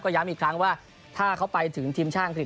ก็ย้ำอีกครั้งว่าถ้าเขาไปถึงทีมช่างคลิป